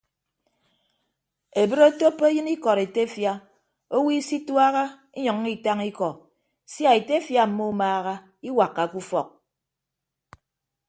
Ebre otoppo eyịn ikọd etefia owo isituaha inyʌññọ itañ ikọ sia etefia mmumaaha iwakkake ufọk.